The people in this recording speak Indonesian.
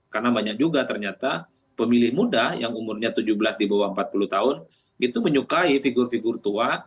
karena banyak juga ternyata pemilih muda yang umurnya tujuh belas di bawah empat puluh tahun itu menyukai figur figur tua